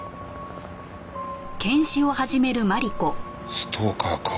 ストーカーか。